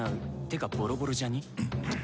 てかボロボロじゃね？